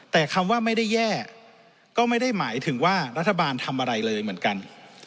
แต่คำว่าไม่ได้แย่ก็ไม่ได้หมายถึงว่ารัฐบาลทำอะไรเลยเหมือนกัน